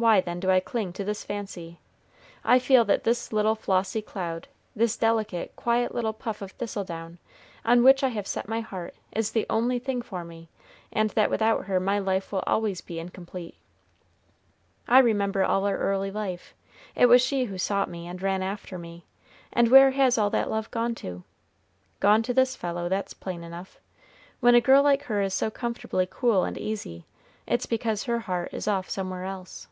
Why, then, do I cling to this fancy? I feel that this little flossy cloud, this delicate, quiet little puff of thistledown, on which I have set my heart, is the only thing for me, and that without her my life will always be incomplete. I remember all our early life. It was she who sought me, and ran after me, and where has all that love gone to? Gone to this fellow; that's plain enough. When a girl like her is so comfortably cool and easy, it's because her heart is off somewhere else."